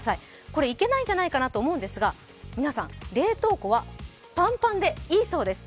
これはいけないんじゃないかなと思うんですが、皆さん、冷凍庫はパンパンでいいそうです。